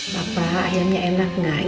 bapak ayamnya enak gak